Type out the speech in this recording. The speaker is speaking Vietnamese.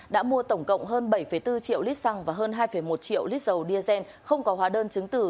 đã mua tổng cộng hơn bảy bốn triệu lít xăng và hơn hai một triệu lít dầu diazen không có hóa đơn chứng tử